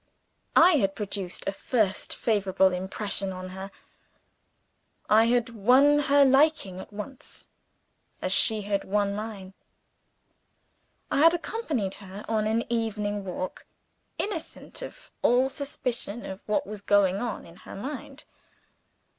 I had produced a first favorable impression on her; I had won her liking at once, as she had won mine. I had accompanied her on an evening walk, innocent of all suspicion of what was going on in her mind.